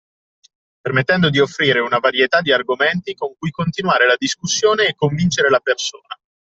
Permettendo di offrire una varietà di argomenti con cui continuare la discussione e convincere la persona.